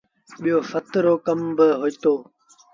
ٻيٚو سهت رو ڪم با هوئيٚتو۔